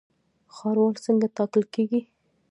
ښاروال څنګه ټاکل کیږي؟